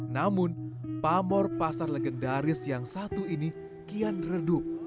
namun pamor pasar legendaris yang satu ini kian redup